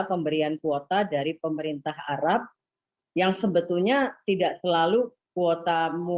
pemberian kuota dari pemerintah arab yang sebetulnya tidak terlalu kuotamu